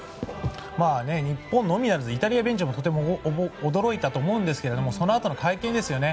日本のみならずイタリアベンチも非常に驚いたと思いますがそのあとの会見ですよね。